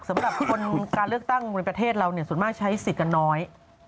สำหรับทุกคนการเลือกตั้งในประเทศเราเนี่ยส่วนมากใช้สิทธิ์กันน้อย